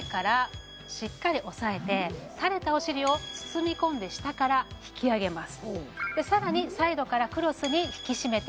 垂れたお尻を包み込んで下から引き上げます